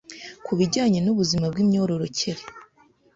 ku bijyanye nubuzima bw’imyororokere,